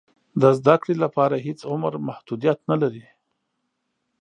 د زده کړې لپاره هېڅ عمر محدودیت نه لري.